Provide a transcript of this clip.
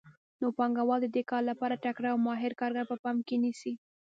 نو پانګوال د دې کار لپاره تکړه او ماهر کارګر په پام کې نیسي